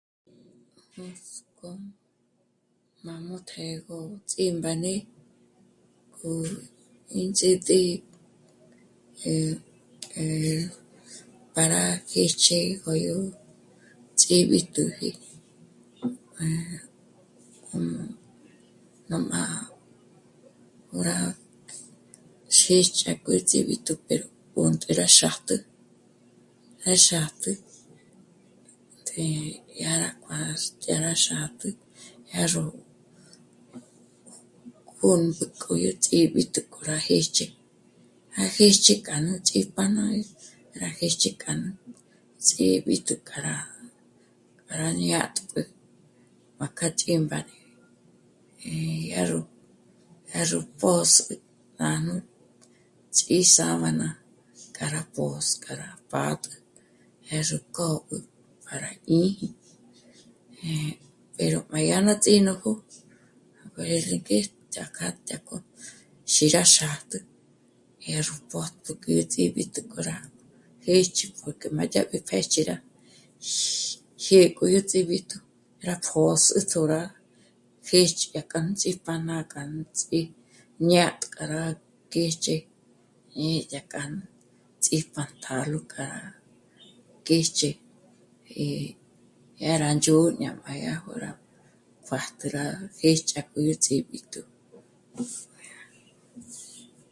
Nuts'k'ó májmu të́'ëgö ts'ímbáne k'o ínts'ítǐ'i, eh..., eh... para jêch'e k'oyó ts'íb'íjtuji, ..., um..., ná má... 'ó rá xíjch'a k'u ts'íb'ijtu pero 'ó ndé rá xátpjü... rá xátpjütjé yá kuá'a rá... yá rá xátpjü, yá ró k'ômbü k'oyó ts'íb'íjtu k'o rá jêch'e. Rá jêch'e k'a ñúchji pa ná... rá jêch'e k'a nú ts'íb'íjtu k'a rá... k'a rá ñátpjü má k'a ch'ímbáne, eh... yá ró..., yá ró... pjôs'ü nájnù ts'ísábana k'a rá pjôs', k'a rá pà'tjü, yá ró k'ób'ü para jñíji... pero má yá ná ts'ínójo mbérí k'e yá kjaj... dyájkjo xírá xátpjü, yá ró pòtk'üju ts'íb'íjtu k'o rá jêch'e porque má yó... k'u pjêch'i yá rá... x... jyé k'oyó ts'íb'íjtu, rá pjôs'ütjó rá pjë́xü yá k'a nú ts'ípájna yá k'a ná ts'íñátj... k'a rá k'ech'e é ña k'a ts'íjpantalo k'a rá kéch'e, eh... yá rá ndzhó'o ná pa yá... ngó rá pájtü rá jêch'e k'a yó ró ts'íb'íjtu